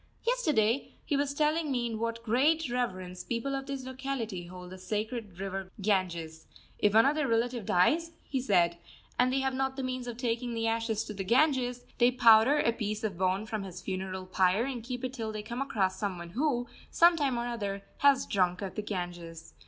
Yesterday he was telling me in what great reverence people of this locality hold the sacred river Ganges. If one of their relatives dies, he said, and they have not the means of taking the ashes to the Ganges, they powder a piece of bone from his funeral pyre and keep it till they come across some one who, some time or other, has drunk of the Ganges.